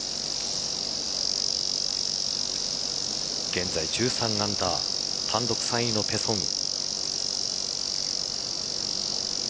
現在、１３アンダー単独３位のペ・ソンウ。